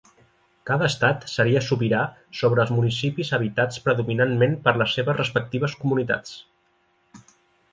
Cada estat seria sobirà sobre els municipis habitats predominantment per les seves respectives comunitats.